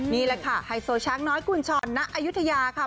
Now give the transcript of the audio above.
นี่แหละค่ะไฮโซช้างน้อยกุญชรณอายุทยาค่ะ